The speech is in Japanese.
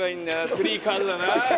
スリーカードだな